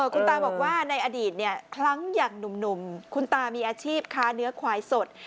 คุณตาบอกว่าในอดีตเนี่ยครั้งอย่างหนุ่มคุณตามีอาชีพค้าเนื้อควายสด